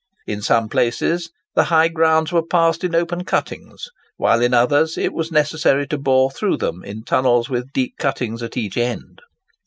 In some places, the high grounds were passed in open cuttings, whilst in others it was necessary to bore through them in tunnels with deep cuttings at each end.